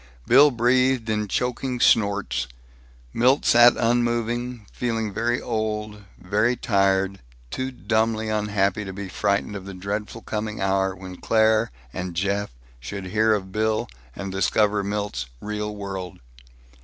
Bill breathed in choking snorts. Milt sat unmoving, feeling very old, very tired, too dumbly unhappy to be frightened of the dreadful coming hour when Claire and Jeff should hear of Bill, and discover Milt's real world.